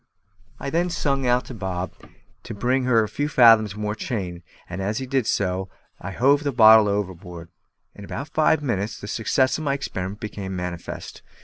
I then sung out to Bob to give her a few fathoms more chain, and as he did so I hove the bottle overboard. In about five minutes the success of my experiment became manifest.